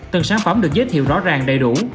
từng sản phẩm được giới thiệu rõ ràng đầy đủ